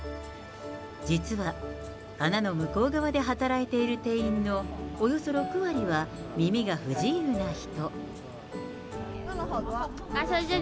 実は穴の向こう側で働く店員のおよそ６割は耳が不自由な人。